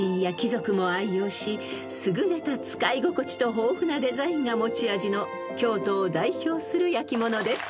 ［優れた使い心地と豊富なデザインが持ち味の京都を代表する焼き物です］